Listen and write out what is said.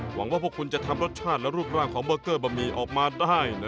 หวังว่าพวกคุณจะทำรสชาติและรูปร่างของเบอร์เกอร์บะหมี่ออกมาได้